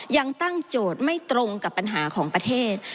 ยังตั้งโจทย์ไม่ตรงกับปัญหาของประเทศ